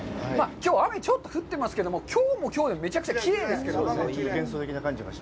きょうは雨ちょっと降ってますけども、きょうもきょうでめちゃくちゃきれいですけどね。